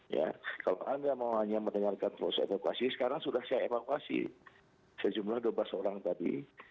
ya kalau anda mau hanya mendengarkan proses evakuasi sekarang sudah saya evakuasi sejumlah dua belas orang tadi